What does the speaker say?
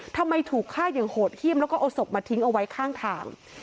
ถูกฆ่าอย่างโหดเยี่ยมแล้วก็เอาศพมาทิ้งเอาไว้ข้างทาง